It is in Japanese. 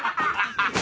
ハハハハ。